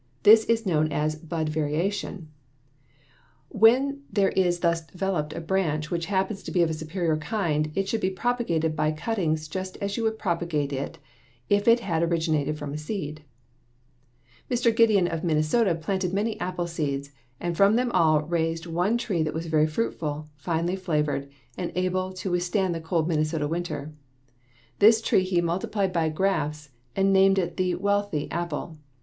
This is known as bud variation. When there is thus developed a branch which happens to be of a superior kind, it should be propagated by cuttings just as you would propagate it if it had originated from a seed. [Illustration: FIG. 48. CURRANT CUTTING] Mr. Gideon of Minnesota planted many apple seeds, and from them all raised one tree that was very fruitful, finely flavored, and able to withstand the cold Minnesota winter. This tree he multiplied by grafts and named the Wealthy apple.